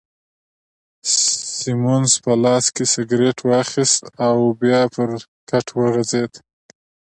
سیمونز په لاس کي سګرېټ واخیست او بیا پر کټ وغځېد.